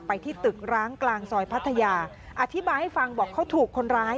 ที่ตึกร้างกลางซอยพัทยาอธิบายให้ฟังบอกเขาถูกคนร้าย